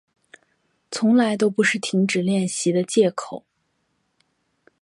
从来都不是停止练习的借口